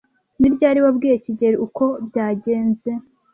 Ni ryari wabwiye kigeli uko byagenze?